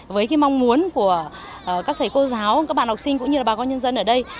với cái mong muốn của các thầy cô giáo các bạn học sinh cũng như là bà con nhân dân ở đây